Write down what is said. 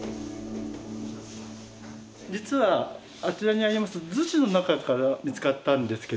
実はあちらにあります厨子の中から見つかったんですけども。